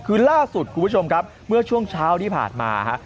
คือล่าสุดคุณผู้ชมครับเมื่อช่วงเช้าที่ผ่านมาฮะ